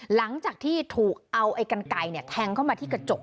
หลังจากที่ถูกเอาไอ้กันไก่แทงเข้ามาที่กระจก